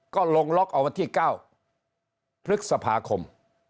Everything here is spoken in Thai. ก็ลงล็อกออกมาที่เก้าพฤษภาคม